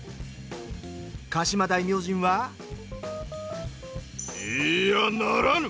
鹿島大明神は「イイヤならぬ！